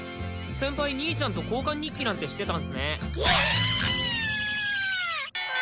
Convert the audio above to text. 先輩兄ちゃんと交換日記なんてしてたんすねイヤ！